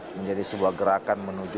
menjadi sebuah gerakan menuju